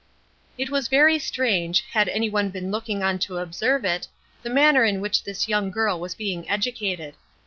It was very strange, had any one been looking on to observe it, the manner in which this young girl was being educated.